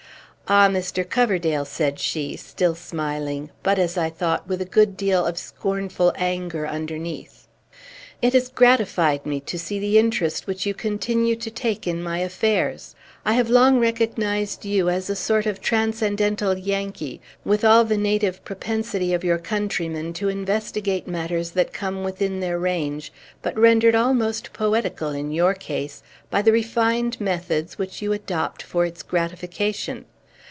"Ah, Mr. Coverdale," said she, still smiling, but, as I thought, with a good deal of scornful anger underneath, "it has gratified me to see the interest which you continue to take in my affairs! I have long recognized you as a sort of transcendental Yankee, with all the native propensity of your countrymen to investigate matters that come within their range, but rendered almost poetical, in your case, by the refined methods which you adopt for its gratification.